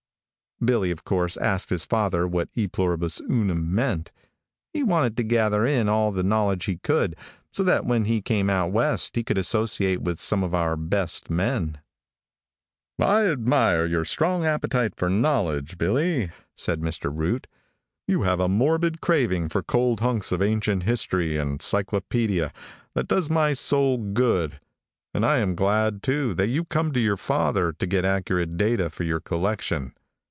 Billy, of course, asked his father what "E Pluribus Unum" meant. He wanted to gather in all the knowledge he could, so that when he came out west he could associate with some of our best men. [Illustration: 0283] "I admire your strong appetite for knowledge, Billy," said Mr. Root; "you have a morbid craving for cold hunks of ancient history and cyclopedia that does my soul good; and I am glad, too, that you come to your father to get accurate data for your collection.